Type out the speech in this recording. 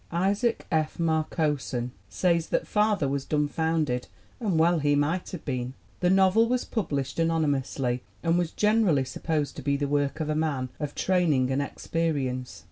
Isaac F. Marcosson says that Father was dumb founded, and well he might have been. The novel was published anonymously and was generally sup posed to be the work of a man of training and ex perience.